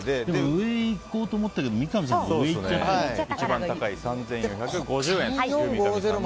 上、いこうと思ったけど三上さんが上いっちゃったから。